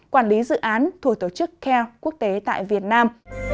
quản lý dự án thuộc tổ chức care quốc tế tại việt nam